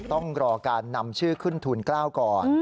ต้องรอการนำชื่อขึ้นทุน๙ก่อน